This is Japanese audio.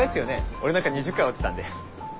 俺なんか２０回落ちたんで。